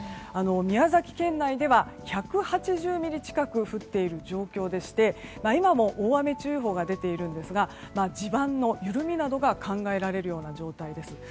宮崎県内では１８０ミリ近く降っている状況でして今も大雨注意報が出ているんですが地盤の緩みなどが考えられるような状態です。